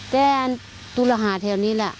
แต่ตุลหาแถวนี้ล่ะ